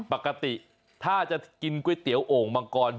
ปกติถ้าจะกินก๋วยเตี๋ยวโอ่งมังกร